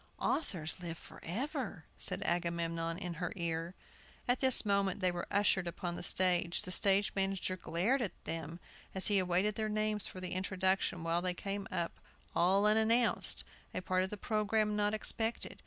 "Authors live forever!" said Agamemnon in her ear. At this moment they were ushered upon the stage. The stage manager glared at them, as he awaited their names for introduction, while they came up all unannounced, a part of the programme not expected.